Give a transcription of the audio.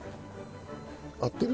合ってる？